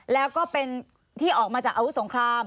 แล้วก็เป็นที่ออกมาจากอาวุธสงคราม